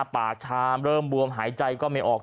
ปากชามเริ่มบวมหายใจก็ไม่ออก